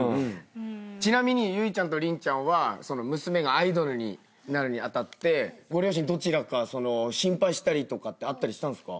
ちなみに有以ちゃんと麟ちゃんは娘がアイドルになるにあたってご両親どちらか心配したりとかってあったりしたんすか？